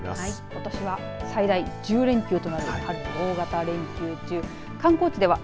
ことしは最大１０連休となる大型連休の真っ最中です。